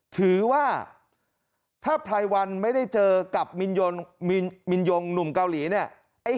ถือถ้าไพวันไม่ได้เห็นกับทิศมินยงหนุ่มเกาหลีเนี่ย